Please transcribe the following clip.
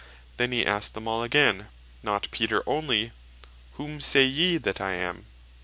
he asked them all again, (not Peter onely) "Whom say yee that I am?"